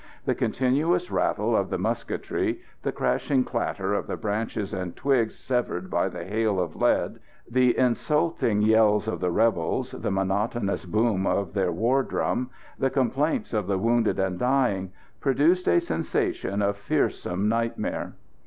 The continuous rattle of the musketry, the crashing clatter of the branches and twigs severed by the hail of lead, the insulting yells of the rebels, the monotonous boom of their war drum, the complaints of the wounded and dying, produced a sensation of fearsome nightmare.